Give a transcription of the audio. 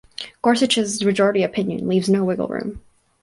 Gorsuch’s majority opinion leaves no wiggle room.